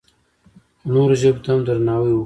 خو نورو ژبو ته هم درناوی وکړو.